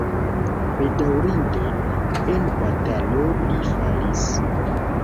Bedaŭrinde en batalo li falis.